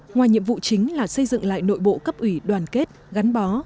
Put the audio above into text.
ngoài nhiệm vụ chính là xây dựng lại nội bộ cấp ủy đoàn kết gắn bó